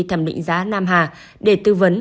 thẩm định giá nam hà để tư vấn